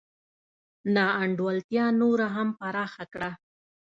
نا انډولتیا نوره هم پراخه کړه.